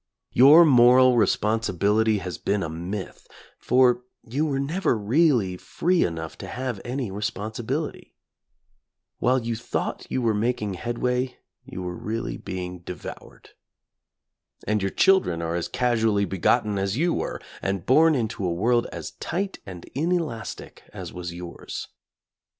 Your moral responsibility has been a myth, for you were never really free enough to have any responsibility. While you thought you were making headway, you were really being devoured. And your children are as casually begotten as you were, and born into a world as tight and inelastic as was yours.